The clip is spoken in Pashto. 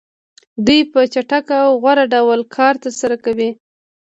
دوی په چټک او غوره ډول کار ترسره کوي